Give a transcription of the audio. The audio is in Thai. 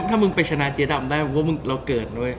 ถ้ามึงไปชนะเจ๊ดำได้ก็ว่าเราเกิดเว้ย